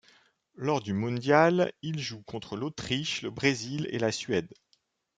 Lors du mondial, il joue contre l'Autriche, le Brésil et la Suède.